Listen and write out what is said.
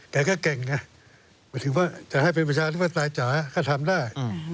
แต่ก็เก่งนะถึงว่าจะให้เป็นวิชาที่ตายจ๋าก็ทำได้